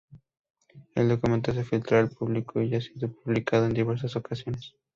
El documento se filtró al público y ha sido publicado en diversas ocasiones.